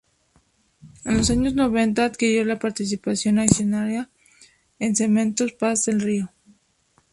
En los años noventa, adquirió la participación accionarial en Cementos Paz del Río.